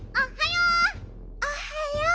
おっはよう！